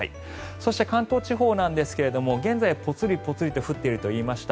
そして、関東地方ですが現在、ぽつりぽつりと降っているといいました。